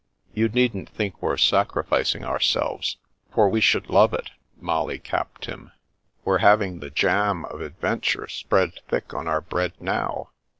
" You needn't think we're sacrificing ourselves, for we should love it," Molly capped him. " We're having the jam of adventure spread thick on our bread now."